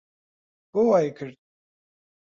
بۆ وای کرد؟